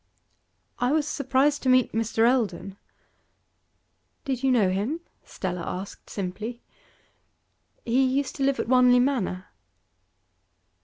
'I was surprised to meet Mr. Eldon.' 'Did you know him?' Stella asked simply. 'He used to live at Wanley Manor.